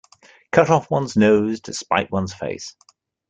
Cut off one's nose to spite one's face.